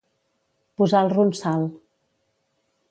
Posar el ronsal.